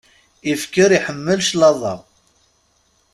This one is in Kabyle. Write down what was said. Ifker iḥemmel claḍa.